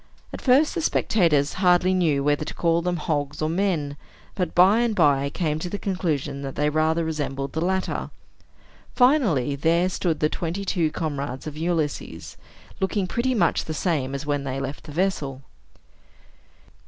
At first the spectators hardly knew whether to call them hogs or men, but by and by came to the conclusion that they rather resembled the latter. Finally, there stood the twenty two comrades of Ulysses, looking pretty much the same as when they left the vessel.